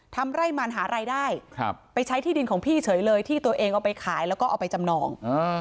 ทำไร่มันหารายได้ไปใช้ที่ดินของพี่เฉยเลยที่ตัวเองเอาไปขายแล้วก็เอาไปจำนอง